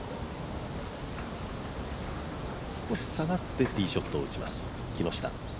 少し下がってティーショットを打ちます、木下。